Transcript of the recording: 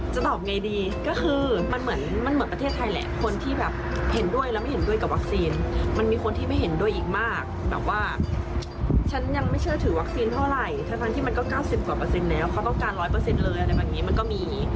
ตอบไงดีก็คือมันเหมือนมันเหมือนประเทศไทยแหละคนที่แบบเห็นด้วยและไม่เห็นด้วยกับวัคซีนมันมีคนที่ไม่เห็นด้วยอีกมากแบบว่าฉันยังไม่เชื่อถือวัคซีนเท่าไหร่ทั้งที่มันก็๙๐กว่าเปอร์เซ็นต์แล้วเขาต้องการ๑๐๐เลยอะไรแบบนี้มันก็มี